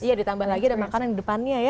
iya ditambah lagi ada makanan di depannya ya